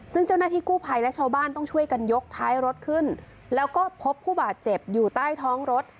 ซึ่งเจ้าหน้าที่กู้ภัยและชาวบ้านต้องช่วยกันยกท้ายรถขึ้นแล้วก็พบผู้บาดเจ็บอยู่ใต้ท้องรถ